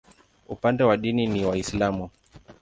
Upande wa dini ni Waislamu.